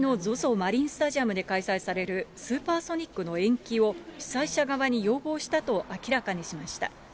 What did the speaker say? マリンスタジアムで開催される、スーパーソニックの延期を、主催者側に要望したと明らかにしました。